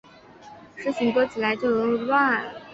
事情多起来就容易乱